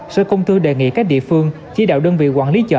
sở công thương tp hcm đề nghị các địa phương chỉ đạo đơn vị quản lý chợ